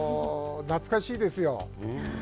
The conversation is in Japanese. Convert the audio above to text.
懐かしいですよ。